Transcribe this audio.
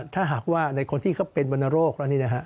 ถ้าหากว่าในคนที่เขาเป็นวรรณโรคแล้วนี่นะฮะ